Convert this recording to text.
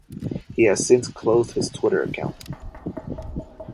He has since closed his Twitter account.